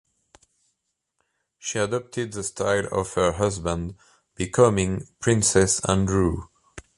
She adopted the style of her husband, becoming "Princess Andrew".